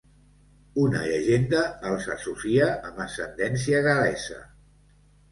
Una llegenda els associa amb ascendència gal·lesa.